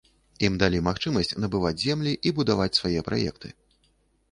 Ім далі магчымасць набываць землі і будаваць свае праекты.